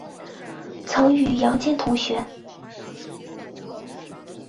曾与杨坚同学。